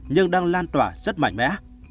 nhưng đang lan tỏa rất mạnh mẽ